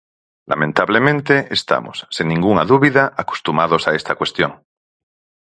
Lamentablemente, estamos, sen ningunha dúbida, acostumados a esta cuestión.